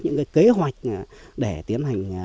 những kế hoạch để tiến hành phòng